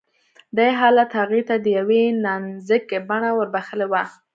دې حالت هغې ته د يوې نانځکې بڼه وربښلې وه